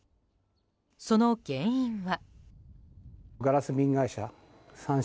その原因は。